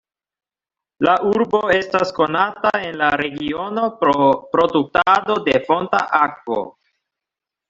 La urbo estas konata en la regiono pro produktado de fonta akvo.